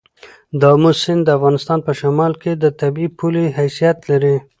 د آمو سیند د افغانستان په شمال کې د طبیعي پولې حیثیت لري.